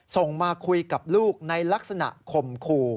ส่งมาคุยกับลูกในลักษณะข่มขู่